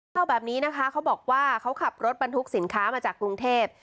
เล่าแบบนี้นะคะเขาบอกว่าเขาขับรถบรรทุกสินค้ามาจากกรุงเทพ